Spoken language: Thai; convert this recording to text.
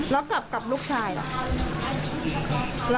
แล้วกลับกลับลูกชายล่ะ